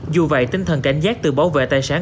dù vậy tinh thần cảnh giác tự bảo vệ tài sản